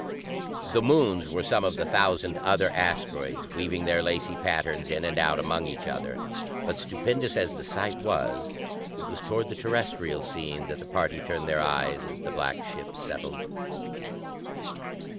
The moons were some of the thousand other asteroids, weaving their lacy patterns in and out among each other. But, stupendous as the sight was, it was toward the terrestrial scene that the party turned their eyes as the black ship settled.